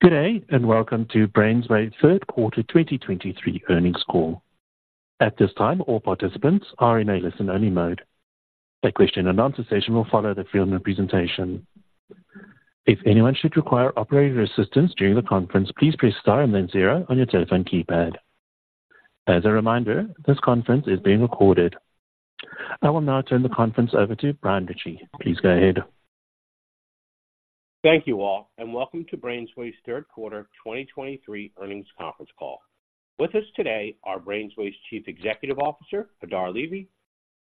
Good day, and welcome to BrainsWay's Third Quarter 2023 Earnings Call. At this time, all participants are in a listen-only mode. A question-and-answer session will follow the formal presentation. If anyone should require operator assistance during the conference, please press star and then zero on your telephone keypad. As a reminder, this conference is being recorded. I will now turn the conference over to Brian Ritchie. Please go ahead. Thank you all, and welcome to BrainsWay's Third Quarter 2023 Earnings Conference Call. With us today are BrainsWay's Chief Executive Officer, Hadar Levy,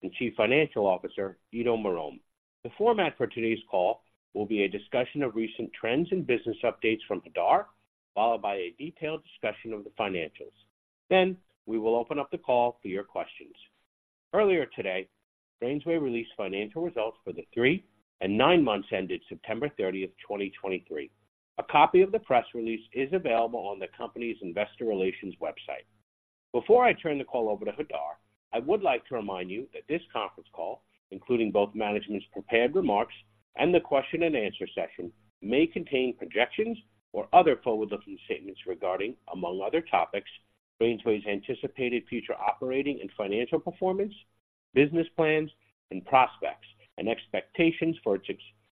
and Chief Financial Officer, Ido Marom. The format for today's call will be a discussion of recent trends and business updates from Hadar, followed by a detailed discussion of the financials. Then, we will open up the call for your questions. Earlier today, BrainsWay released financial results for the three and nine months ended September 30, 2023. A copy of the press release is available on the company's investor relations website. Before I turn the call over to Hadar, I would like to remind you that this conference call, including both management's prepared remarks and the question and answer session, may contain projections or other forward-looking statements regarding, among other topics, BrainsWay's anticipated future operating and financial performance, business plans and prospects, and expectations for its,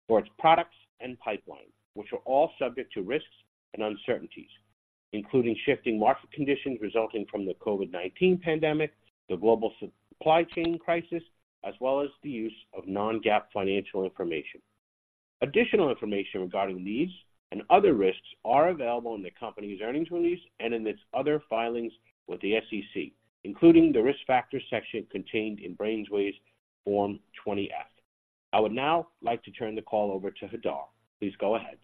for its products and pipeline, which are all subject to risks and uncertainties, including shifting market conditions resulting from the COVID-19 pandemic, the global supply chain crisis, as well as the use of non-GAAP financial information. Additional information regarding these and other risks are available in the company's earnings release and in its other filings with the SEC, including the Risk Factors section contained in BrainsWay's Form 20-F. I would now like to turn the call over to Hadar. Please go ahead.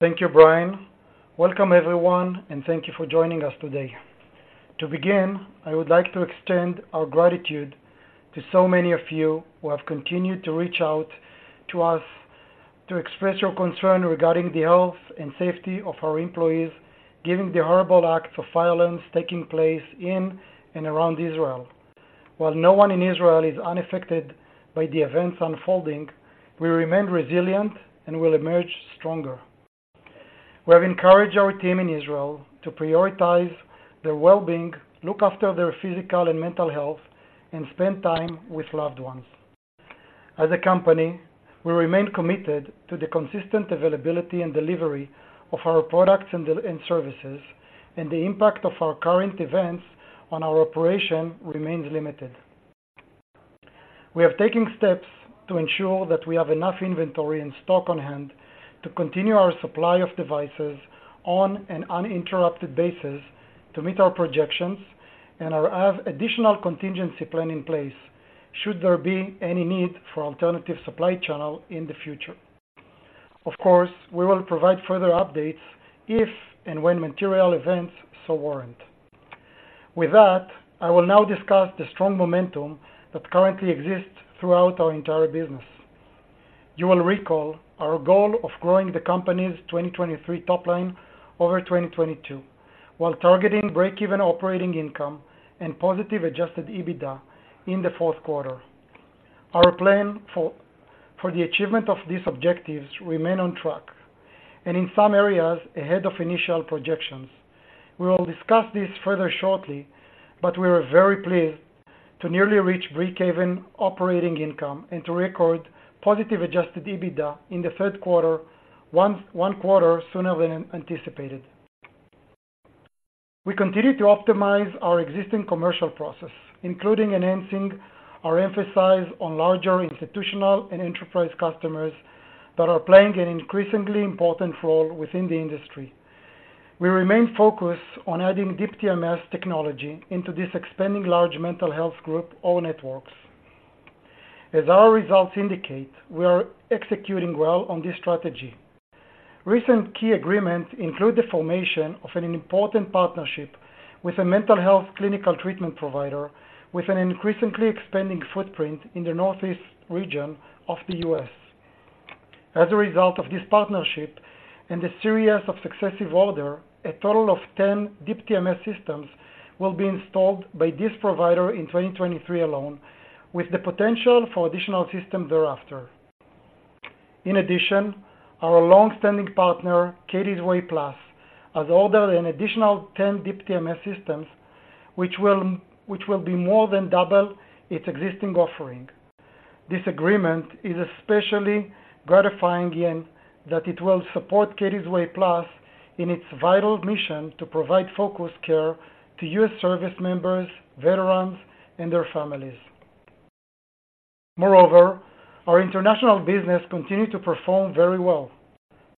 Thank you, Brian. Welcome, everyone, and thank you for joining us today. To begin, I would like to extend our gratitude to so many of you who have continued to reach out to us to express your concern regarding the health and safety of our employees, given the horrible acts of violence taking place in and around Israel. While no one in Israel is unaffected by the events unfolding, we remain resilient and will emerge stronger. We have encouraged our team in Israel to prioritize their well-being, look after their physical and mental health, and spend time with loved ones. As a company, we remain committed to the consistent availability and delivery of our products and services, and the impact of our current events on our operation remains limited. We are taking steps to ensure that we have enough inventory and stock on hand to continue our supply of devices on an uninterrupted basis to meet our projections, and we have additional contingency plan in place should there be any need for alternative supply channel in the future. Of course, we will provide further updates if and when material events so warrant. With that, I will now discuss the strong momentum that currently exists throughout our entire business. You will recall our goal of growing the company's 2023 top line over 2022, while targeting break-even operating income and positive Adjusted EBITDA in the fourth quarter. Our plan for the achievement of these objectives remain on track, and in some areas, ahead of initial projections. We will discuss this further shortly, but we are very pleased to nearly reach break-even operating income and to record positive Adjusted EBITDA in the third quarter, one quarter sooner than anticipated. We continue to optimize our existing commercial process, including enhancing our emphasis on larger institutional and enterprise customers that are playing an increasingly important role within the industry. We remain focused on adding Deep TMS technology into this expanding large mental health group or networks. As our results indicate, we are executing well on this strategy. Recent key agreements include the formation of an important partnership with a mental health clinical treatment provider, with an increasingly expanding footprint in the Northeast region of the U.S. As a result of this partnership and a series of successive orders, a total of 10 Deep TMS systems will be installed by this provider in 2023 alone, with the potential for additional systems thereafter. In addition, our long-standing partner, Katie’s Way Plus, has ordered an additional 10 Deep TMS systems, which will be more than double its existing offering. This agreement is especially gratifying in that it will support Katie’s Way Plus in its vital mission to provide focused care to U.S. service members, veterans, and their families. Moreover, our international business continued to perform very well.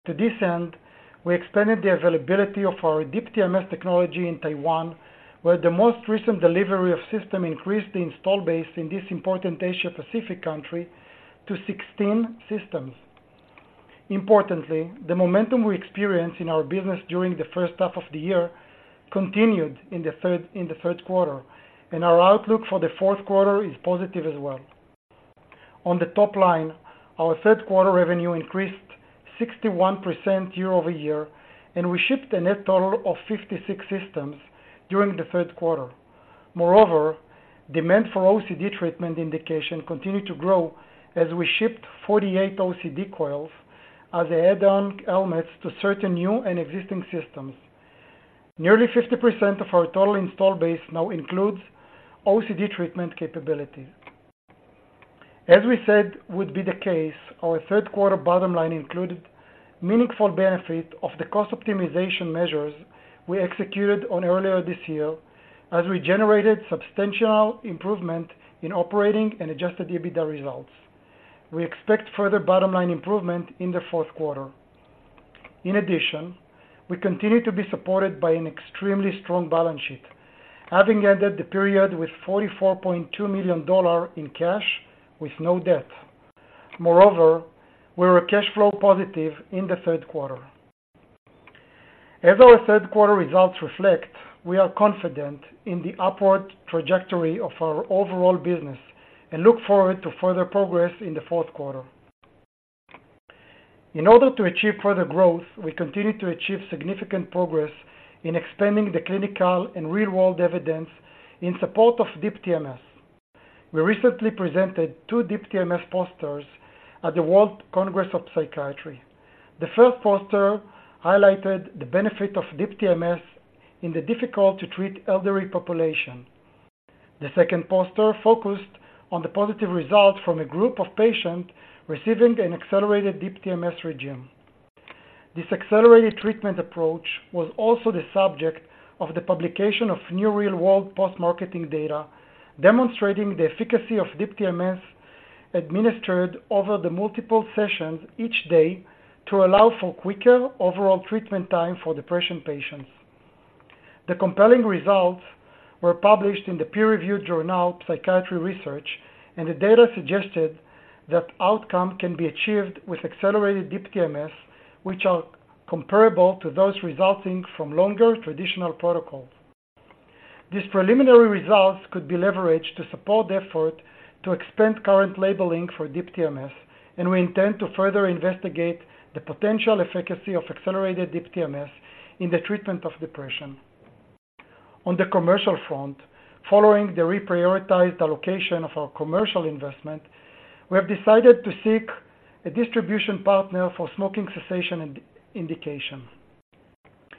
To this end, we expanded the availability of our Deep TMS technology in Taiwan, where the most recent delivery of systems increased the installed base in this important Asia-Pacific country to 16 systems. Importantly, the momentum we experienced in our business during the first half of the year continued in the third, in the third quarter, and our outlook for the fourth quarter is positive as well. On the top line, our third quarter revenue increased 61% year-over-year, and we shipped a net total of 56 systems during the third quarter. Moreover, demand for OCD treatment indication continued to grow as we shipped 48 OCD coils as add-on helmets to certain new and existing systems. Nearly 50% of our total installed base now includes OCD treatment capabilities. As we said would be the case, our third quarter bottom line included meaningful benefit of the cost optimization measures we executed on earlier this year, as we generated substantial improvement in operating and Adjusted EBITDA results. We expect further bottom-line improvement in the fourth quarter. In addition, we continue to be supported by an extremely strong balance sheet, having ended the period with $44.2 million in cash with no debt. Moreover, we were cash flow positive in the third quarter. As our third quarter results reflect, we are confident in the upward trajectory of our overall business and look forward to further progress in the fourth quarter. In order to achieve further growth, we continue to achieve significant progress in expanding the clinical and real-world evidence in support of Deep TMS. We recently presented two Deep TMS posters at the World Congress of Psychiatry. The first poster highlighted the benefit of Deep TMS in the difficult-to-treat elderly population. The second poster focused on the positive results from a group of patients receiving an accelerated Deep TMS regimen. This accelerated treatment approach was also the subject of the publication of new real-world post-marketing data, demonstrating the efficacy of Deep TMS administered over the multiple sessions each day to allow for quicker overall treatment time for depression patients. The compelling results were published in the peer-reviewed journal, Psychiatry Research, and the data suggested that outcome can be achieved with accelerated Deep TMS, which are comparable to those resulting from longer traditional protocols. These preliminary results could be leveraged to support the effort to expand current labeling for Deep TMS, and we intend to further investigate the potential efficacy of accelerated Deep TMS in the treatment of depression. On the commercial front, following the reprioritized allocation of our commercial investment, we have decided to seek a distribution partner for smoking cessation indication.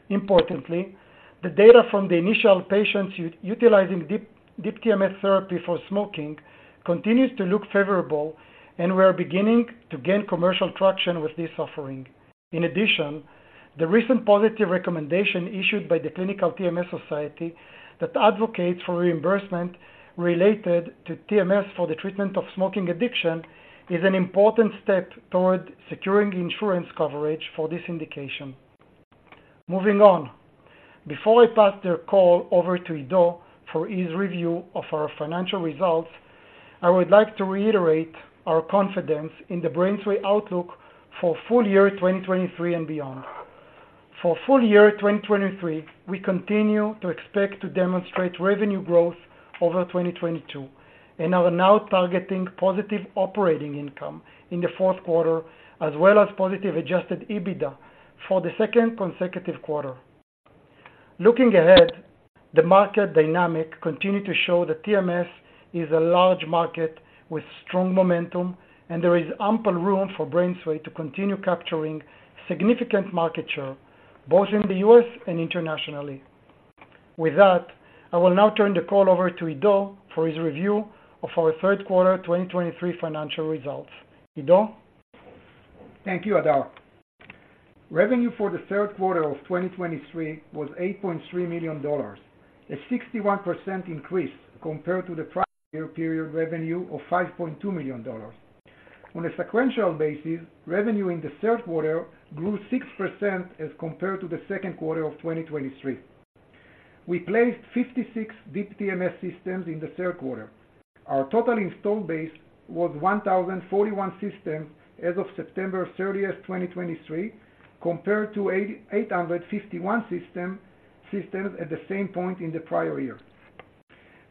Importantly, the data from the initial patients utilizing Deep TMS therapy for smoking continues to look favorable, and we are beginning to gain commercial traction with this offering. In addition, the recent positive recommendation issued by the Clinical TMS Society that advocates for reimbursement related to TMS for the treatment of smoking addiction is an important step toward securing insurance coverage for this indication. Moving on. Before I pass the call over to Ido for his review of our financial results, I would like to reiterate our confidence in the BrainsWay outlook for full year 2023 and beyond. For full year 2023, we continue to expect to demonstrate revenue growth over 2022, and are now targeting positive operating income in the fourth quarter, as well as positive Adjusted EBITDA for the second consecutive quarter. Looking ahead, the market dynamics continue to show that TMS is a large market with strong momentum, and there is ample room for BrainsWay to continue capturing significant market share, both in the U.S. and internationally. With that, I will now turn the call over to Ido for his review of our third quarter 2023 financial results. Ido? Thank you, Hadar. Revenue for the third quarter of 2023 was $8.3 million, a 61% increase compared to the prior year period revenue of $5.2 million. On a sequential basis, revenue in the third quarter grew 6% as compared to the second quarter of 2023. We placed 56 Deep TMS systems in the third quarter. Our total installed base was 1,041 systems as of September thirtieth, 2023, compared to eight hundred and fifty-one systems at the same point in the prior year.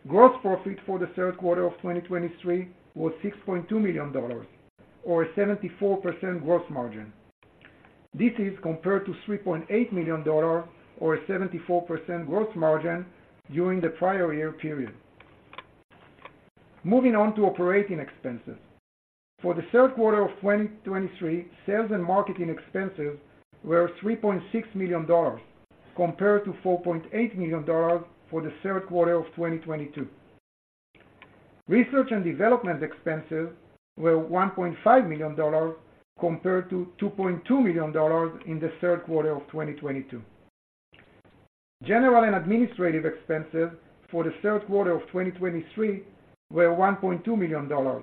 Gross profit for the third quarter of 2023 was $6.2 million, or a 74% gross margin. This is compared to $3.8 million, or a 74% gross margin during the prior year period. Moving on to operating expenses. For the third quarter of 2023, sales and marketing expenses were $3.6 million, compared to $4.8 million for the third quarter of 2022. Research and development expenses were $1.5 million, compared to $2.2 million in the third quarter of 2022. General and administrative expenses for the third quarter of 2023 were $1.2 million,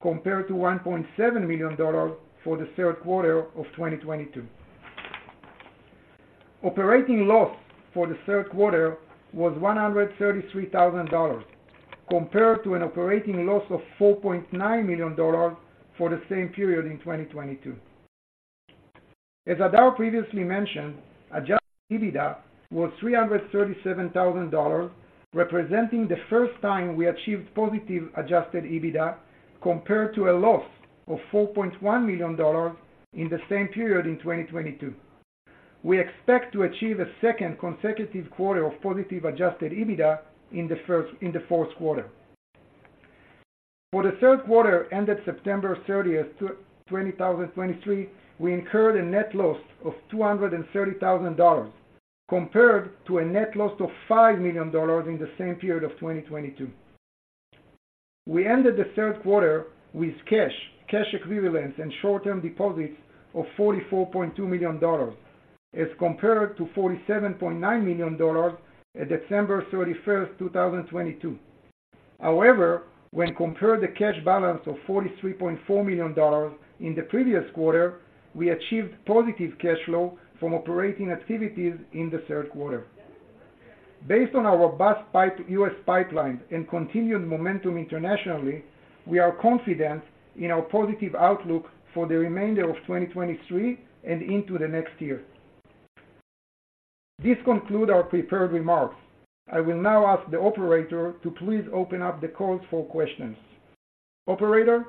compared to $1.7 million for the third quarter of 2022. Operating loss for the third quarter was $133,000, compared to an operating loss of $4.9 million for the same period in 2022. As Hadar previously mentioned, Adjusted EBITDA was $337,000, representing the first time we achieved positive Adjusted EBITDA, compared to a loss of $4.1 million in the same period in 2022. We expect to achieve a second consecutive quarter of positive Adjusted EBITDA in the first, in the fourth quarter. For the third quarter, ended September 30, 2023, we incurred a net loss of $230,000 compared to a net loss of $5 million in the same period of 2022. We ended the third quarter with cash, cash equivalents, and short-term deposits of $44.2 million, as compared to $47.9 million at December 31, 2022. However, when compared the cash balance of $43.4 million in the previous quarter, we achieved positive cash flow from operating activities in the third quarter. Based on our robust U.S. pipeline and continued momentum internationally, we are confident in our positive outlook for the remainder of 2023 and into the next year. This concludes our prepared remarks. I will now ask the operator to please open up the call for questions. Operator?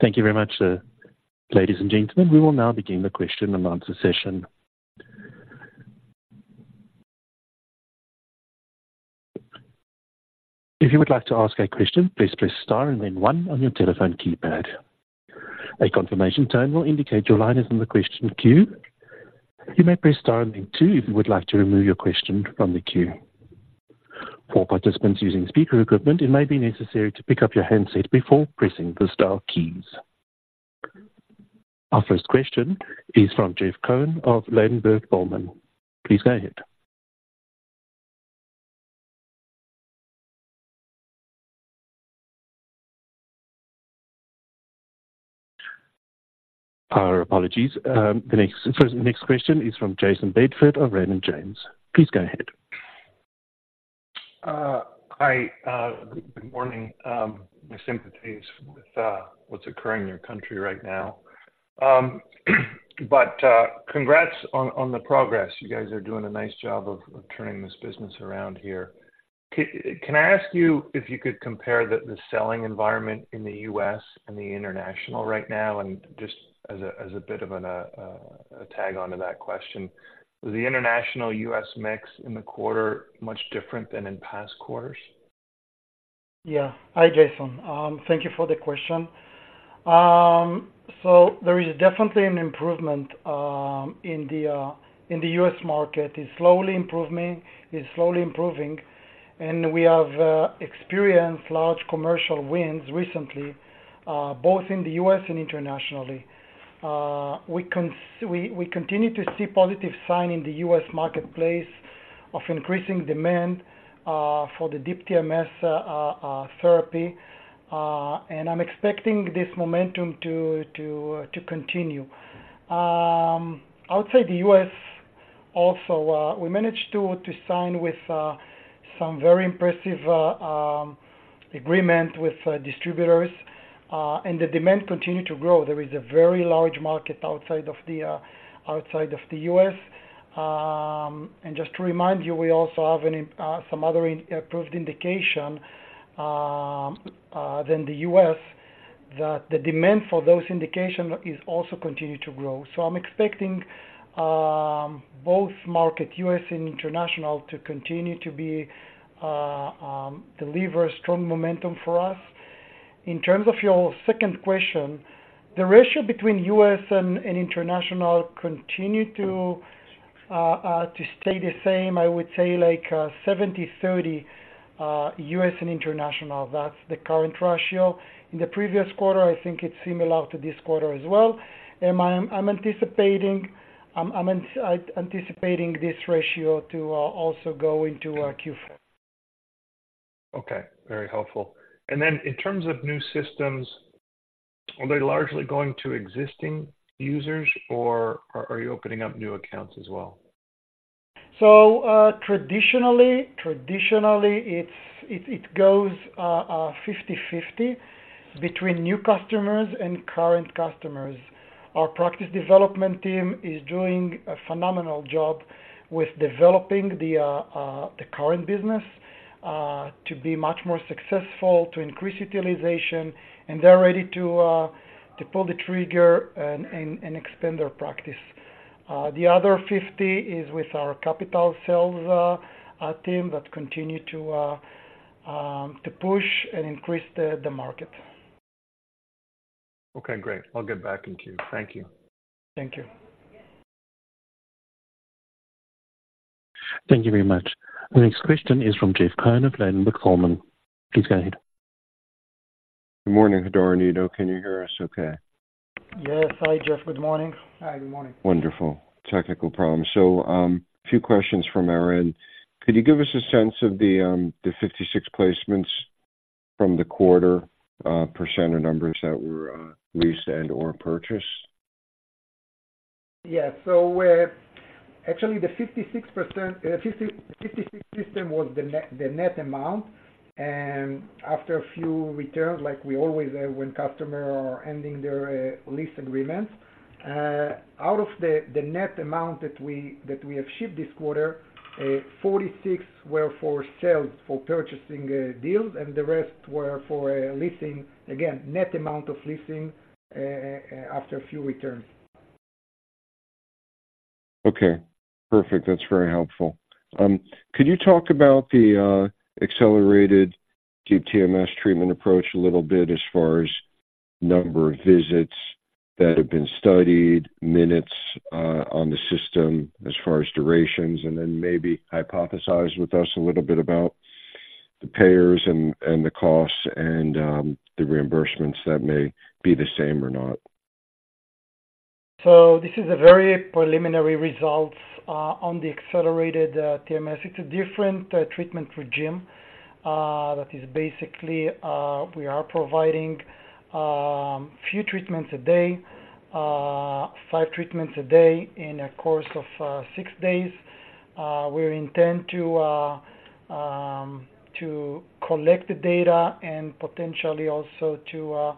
Thank you very much, ladies and gentlemen. We will now begin the question-and-answer session. If you would like to ask a question, please press star and then one on your telephone keypad. A confirmation tone will indicate your line is in the question queue. You may press star and then two if you would like to remove your question from the queue. For participants using speaker equipment, it may be necessary to pick up your handset before pressing the star keys. Our first question is from Jeff Cohen of Ladenburg Thalmann. Please go ahead. Our apologies. Next question is from Jason Bedford of Raymond James. Please go ahead. Hi, good morning. My sympathies with what's occurring in your country right now. But congrats on the progress. You guys are doing a nice job of turning this business around here. Can I ask you if you could compare the selling environment in the U.S. and the international right now? And just as a bit of an tag onto that question, was the international-U.S. mix in the quarter much different than in past quarters? Yeah. Hi, Jayson. Thank you for the question. So there is definitely an improvement in the U.S. market. It's slowly improving, it's slowly improving, and we have experienced large commercial wins recently, both in the U.S. and internationally. We continue to see positive sign in the U.S. marketplace of increasing demand for the Deep TMS therapy, and I'm expecting this momentum to continue. Outside the U.S. also, we managed to sign some very impressive agreement with distributors, and the demand continue to grow. There is a very large market outside of the U.S. And just to remind you, we also have some other approved indication than the US, that the demand for those indication is also continue to grow. So I'm expecting both market, U.S. and international, to continue to be deliver strong momentum for us. In terms of your second question, the ratio between U.S. and, and international continue to to stay the same. I would say like 70/30 U.S. and international. That's the current ratio. In the previous quarter, I think it's similar to this quarter as well. And my—I'm anticipating this ratio to also go into Q4. Okay, very helpful. And then in terms of new systems, are they largely going to existing users, or are you opening up new accounts as well? So, traditionally, it goes 50/50 between new customers and current customers. Our practice development team is doing a phenomenal job with developing the current business to be much more successful, to increase utilization, and they're ready to pull the trigger and expand their practice. The other 50 is with our capital sales team that continue to push and increase the market. Okay, great. I'll get back in queue. Thank you. Thank you. Thank you very much. The next question is from Jeff Cohen of Ladenburg Thalmann. Please go ahead. Good morning, Hadar and Ido, can you hear us okay? Yes. Hi, Jeff. Good morning. Hi, good morning. Wonderful. Technical problems. So, a few questions from our end. Could you give us a sense of the 56 placements from the quarter, percent of numbers that were leased and/or purchased? Yeah. So, actually, the 56%, 56 system was the net, the net amount. And after a few returns, like we always have when customer are ending their lease agreements, out of the, the net amount that we, that we have shipped this quarter, 46 were for sales, for purchasing deals, and the rest were for leasing. Again, net amount of leasing after a few returns. Okay, perfect. That's very helpful. Could you talk about the accelerated Deep TMS treatment approach a little bit as far as number of visits that have been studied, minutes on the system as far as durations, and then maybe hypothesize with us a little bit about the payers and the costs and the reimbursements that may be the same or not? This is a very preliminary results on the accelerated TMS. It's a different treatment regimen that is basically we are providing few treatments a day, 5 treatments a day in a course of 6 days. We intend to collect the data and potentially also to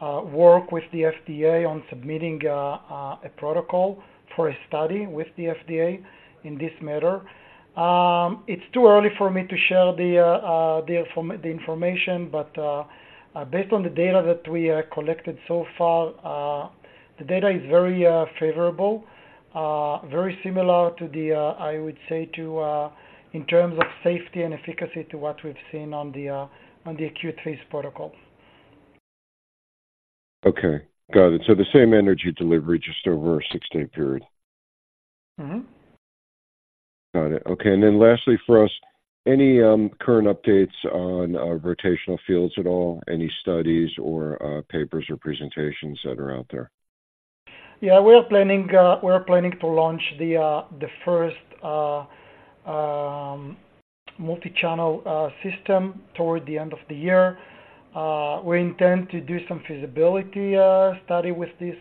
work with the FDA on submitting a protocol for a study with the FDA in this matter. It's too early for me to share the information, but based on the data that we have collected so far, the data is very favorable. Very similar to the, I would say to, in terms of safety and efficacy, to what we've seen on the acute phase protocol. Okay, got it. So the same energy delivery just over a six-day period? Mm-hmm. Got it. Okay, and then lastly for us, any current updates on rotational fields at all? Any studies or papers or presentations that are out there? Yeah, we are planning to launch the first multi-channel system toward the end of the year. We intend to do some feasibility study with this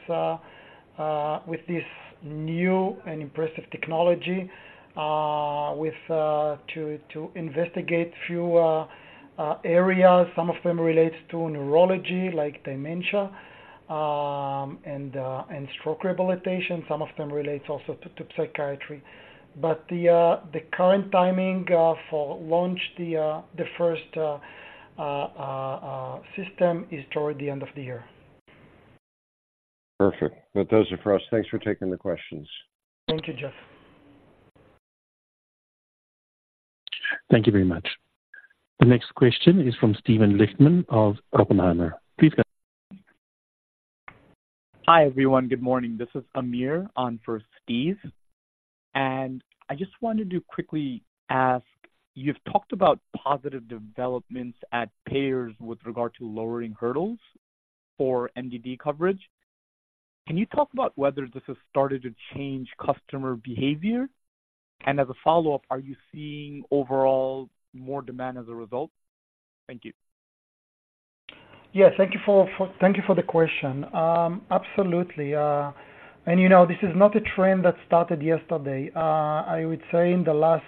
new and impressive technology to investigate few areas. Some of them relates to neurology, like dementia, and stroke rehabilitation. Some of them relates also to psychiatry. But the current timing for launch the first system is toward the end of the year. Perfect. That's it for us. Thanks for taking the questions. Thank you, Jeff. Thank you very much. The next question is from Steven Lichtman of Oppenheimer. Please go ahead. Hi, everyone. Good morning. This is Amir on for Steve, and I just wanted to quickly ask, you've talked about positive developments at payers with regard to lowering hurdles for MDD coverage. Can you talk about whether this has started to change customer behavior? And as a follow-up, are you seeing overall more demand as a result? Thank you. Yes. Thank you for the question. Absolutely. And you know, this is not a trend that started yesterday. I would say in the last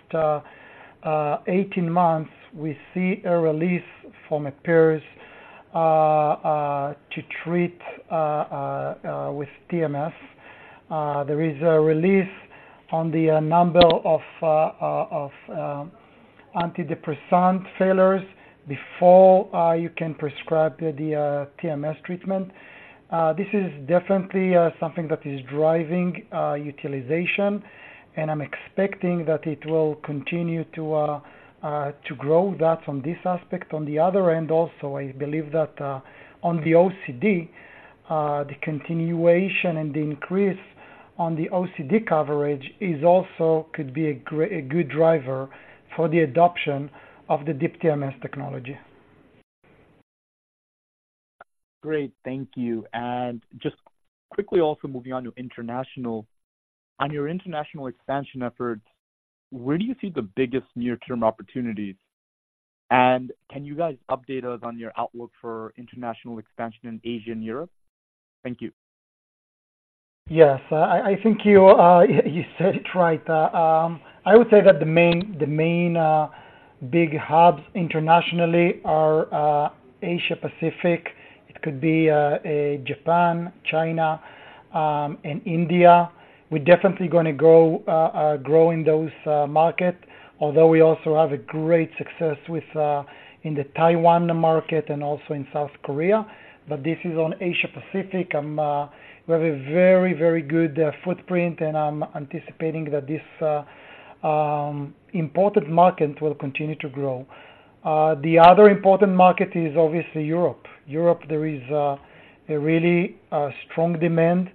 18 months, we see a release from payers to treat with TMS. There is a release on the number of antidepressant failures before you can prescribe the TMS treatment. This is definitely something that is driving utilization, and I'm expecting that it will continue to grow that from this aspect. On the other end also, I believe that on the OCD, the continuation and the increase on the OCD coverage is also a good driver for the adoption of the Deep TMS technology. Great. Thank you. And just quickly also moving on to international. On your international expansion efforts, where do you see the biggest near-term opportunities? And can you guys update us on your outlook for international expansion in Asia and Europe? Thank you. Yes. I think you said it right. I would say that the main big hubs internationally are Asia-Pacific. It could be Japan, China, and India. We're definitely gonna grow in those market, although we also have a great success with in the Taiwan market and also in South Korea. But this is on Asia-Pacific. We have a very, very good footprint, and I'm anticipating that this important market will continue to grow. The other important market is obviously Europe. Europe, there is a really strong demand.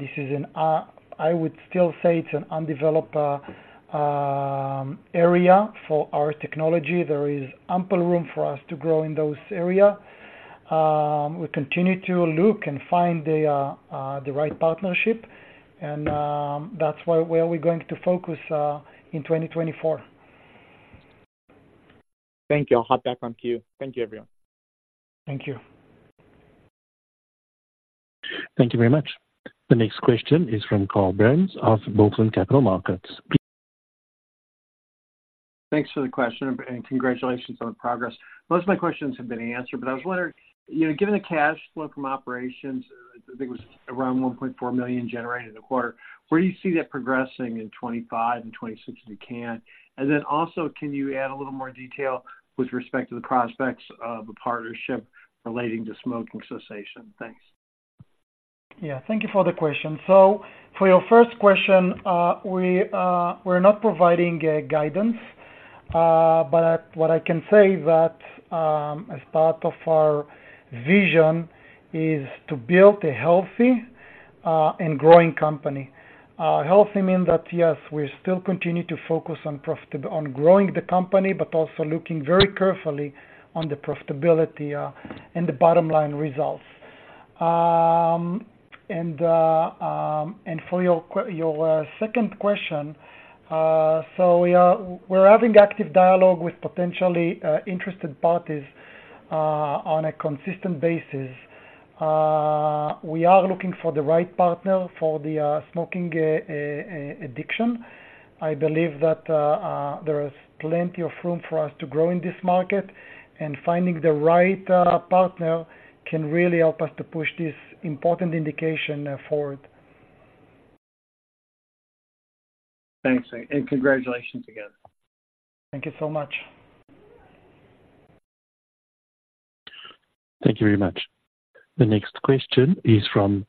This is an, I would still say it's an undeveloped area for our technology. There is ample room for us to grow in those area. We continue to look and find the right partnership, and that's where we're going to focus in 2024. Thank you. I'll hop back on queue. Thank you, everyone. Thank you. Thank you very much. The next question is from Carl Byrnes of Northland Capital Markets. Thanks for the question, and congratulations on the progress. Most of my questions have been answered, but I was wondering, you know, given the cash flow from operations, I think it was around $1.4 million generated in the quarter, where do you see that progressing in 2025 and 2026, if you can? And then also, can you add a little more detail with respect to the prospects of a partnership relating to smoking cessation? Thanks. Yeah, thank you for the question. So for your first question, we, we're not providing a guidance, but what I can say is that, as part of our vision is to build a healthy, and growing company. Healthy mean that, yes, we still continue to focus on profit on growing the company, but also looking very carefully on the profitability, and the bottom line results. And for your second question, so we are, we're having active dialogue with potentially, interested parties, on a consistent basis. We are looking for the right partner for the, smoking addiction. I believe that, there is plenty of room for us to grow in this market, and finding the right, partner can really help us to push this important indication, forward. Thanks, and congratulations again. Thank you so much. Thank you very much. The next question is from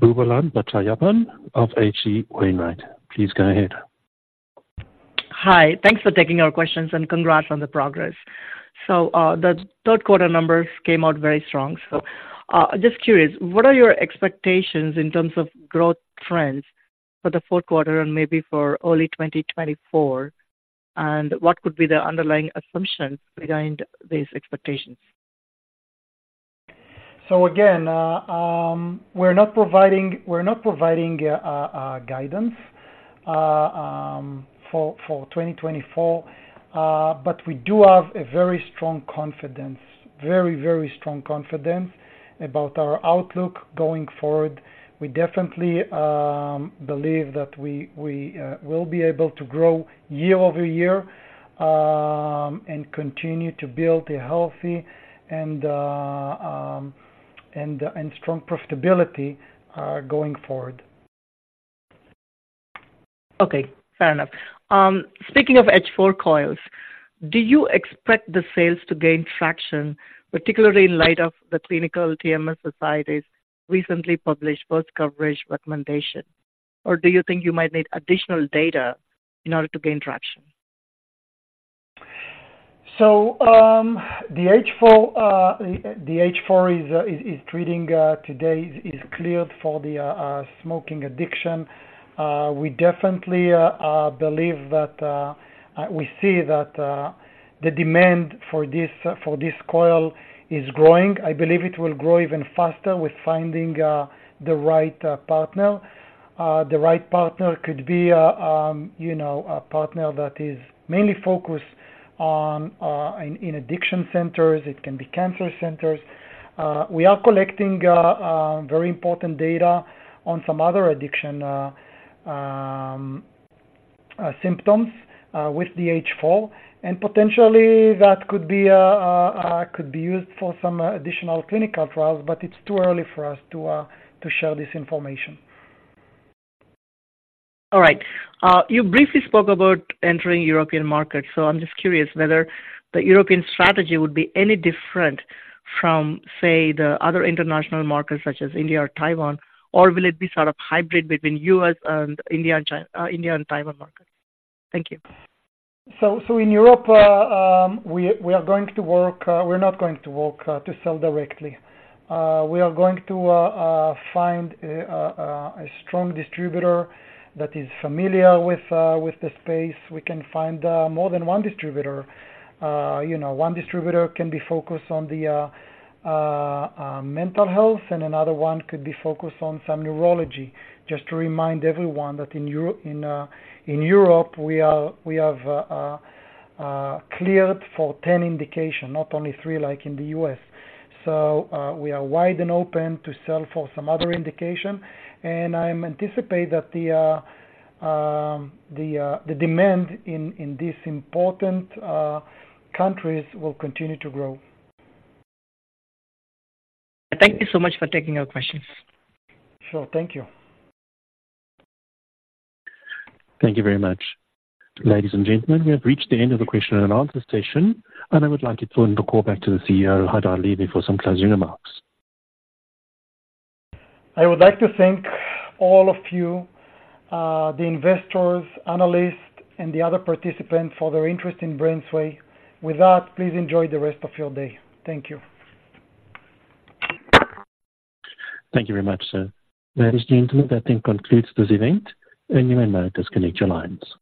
Boobalan Pachaiyappan of H.C. Wainwright & Co. Please go ahead. Hi. Thanks for taking our questions, and congrats on the progress. So, the third quarter numbers came out very strong. So, just curious, what are your expectations in terms of growth trends for the fourth quarter and maybe for early 2024? And what could be the underlying assumptions behind these expectations? So again, we're not providing, we're not providing guidance for 2024, but we do have a very strong confidence, very, very strong confidence about our outlook going forward. We definitely believe that we will be able to grow year over year, and continue to build a healthy and strong profitability going forward. Okay, fair enough. Speaking of H4 coils, do you expect the sales to gain traction, particularly in light of the Clinical TMS Society's recently published first coverage recommendation? Or do you think you might need additional data in order to gain traction? So, the H4, the H4 is, is treating, today is cleared for the, smoking addiction. We definitely believe that- we see that, the demand for this, for this coil is growing. I believe it will grow even faster with finding, the right, partner. The right partner could be a, you know, a partner that is mainly focused on, in, in addiction centers, it can be cancer centers. We are collecting, very important data on some other addiction, symptoms, with the H4, and potentially that could be, could be used for some additional clinical trials, but it's too early for us to, to share this information. All right. You briefly spoke about entering European markets, so I'm just curious whether the European strategy would be any different from, say, the other international markets such as India or Taiwan, or will it be sort of hybrid between U.S. and India and China, India and Taiwan markets? Thank you. So in Europe, we are going to work, we're not going to work to sell directly. We are going to find a strong distributor that is familiar with the space. We can find more than one distributor. You know, one distributor can be focused on the mental health, and another one could be focused on some neurology. Just to remind everyone that in Europe, we have cleared for 10 indication, not only 3, like in the U.S. So, we are wide and open to sell for some other indication, and I anticipate that the demand in these important countries will continue to grow. Thank you so much for taking our questions. Sure. Thank you. Thank you very much. Ladies and gentlemen, we have reached the end of the question and answer session, and I would like to turn the call back to the CEO, Hadar Levy, for some closing remarks. I would like to thank all of you, the investors, analysts, and the other participants for their interest in BrainsWay. With that, please enjoy the rest of your day. Thank you. Thank you very much, sir. Ladies and gentlemen, that then concludes this event, and you may now disconnect your lines.